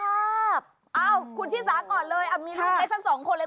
เอ้าคุณชิสาก่อนเลยมีลูกเล็กทั้งสองคนเลย